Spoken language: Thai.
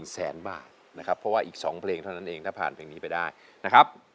แสนบาทนะครับเพราะว่าอีก๒เพลงเท่านั้นเองถ้าผ่านเพลงนี้ไปได้นะครับ